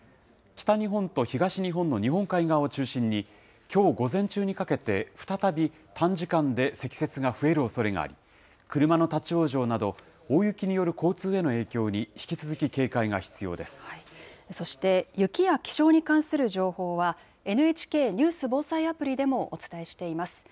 北日本と東日本の日本海側を中心に、きょう午前中にかけて、再び短時間で積雪が増えるおそれがあり、車の立往生など、大雪による交通への影響に引き続き警戒が必要でそして、雪や気象に関する情報は、ＮＨＫニュース・防災アプリでもお伝えしています。